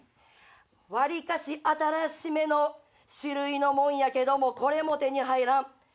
割かし新しめの種類のもんやけどこれも手に入らん。